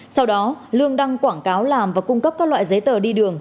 sau đó lương đăng quảng cáo làm và cung cấp các loại giấy tờ đi đường